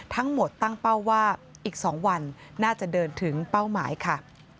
ทั้งหมดตั้งเป้าว่าอีก๒วันน่าจะเดินถึงเป้าหมายค่ะ